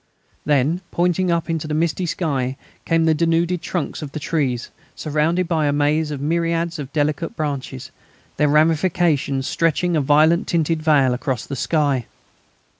Then, pointing up into the misty sky, came the denuded trunks of the trees, surrounded by a maze of myriads of delicate branches, their ramifications stretching a violet tinted veil across the sky.